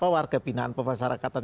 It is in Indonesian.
warga binaan pembasarakatan